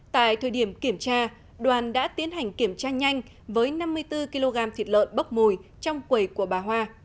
tại thời điểm kiểm tra đoàn đã tiến hành kiểm tra nhanh với năm mươi bốn kg thịt lợn bốc mùi trong quầy của bà hoa